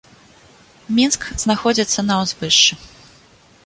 Мінск знаходзіцца на ўзвышшы.